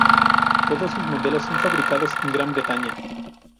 Todos sus modelos son fabricados en Gran Bretaña.